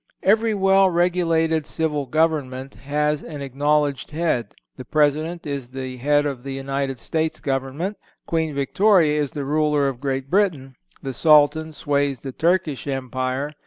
Every well regulated civil government has an acknowledged head. The President is the head of the United States Government. Queen Victoria is the ruler of Great Britain. The Sultan sways the Turkish Empire.